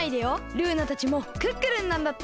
ルーナたちもクックルンなんだって！